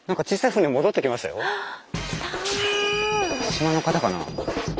島の方かな？